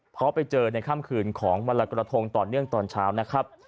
เพราะไปเจอในค่ำคืนของวันละกระทงต่อเนื่องตอนเช้านะครับ